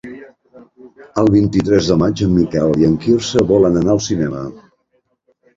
El vint-i-tres de maig en Miquel i en Quirze volen anar al cinema.